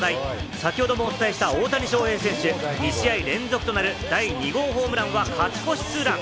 先ほどもお伝えした大谷翔平選手、２試合連続となる第２号ホームランは勝ち越しツーラン！